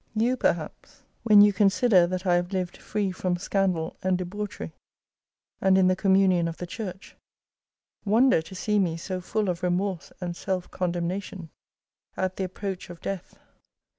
" You, perhaps, when you consider that I have lived free from scandal and debauchery, and in the commu nion of the church, wonder to see me so full of remorse and self condemnation at the approach of death.